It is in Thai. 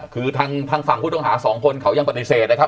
คือทางฝั่งผู้ต้องหาสองคนเขายังปฏิเสธนะครับ